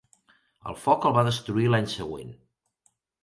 El foc el va destruir l'any següent.